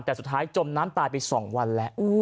แต่สุดท้ายจมน้ำตายไป๒วันแล้ว